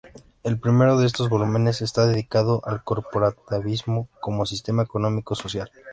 El primero de estos volúmenes está dedicado al corporativismo como sistema económico-social.